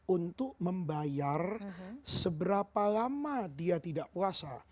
untuk membayar seberapa lama dia tidak puasa